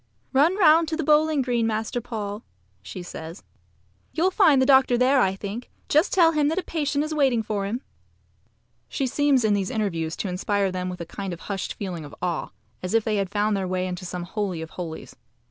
"Run round to the bowling green, Master Paul," says she. "You'll find the doctor there, I think. Just tell him that a patient is waiting for him." She seems in these interviews to inspire them with a kind of hushed feeling of awe, as if they had found their way into some holy of holies.